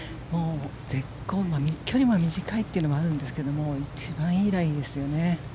絶好、距離は短いというのはあるんですが一番いいラインですよね。